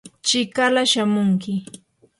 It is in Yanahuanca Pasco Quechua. chikala shamunki.